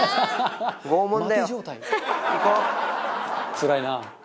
「つらいな」